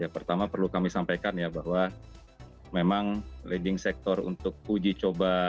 pertama perlu kami sampaikan ya bahwa memang leading sector untuk uji coba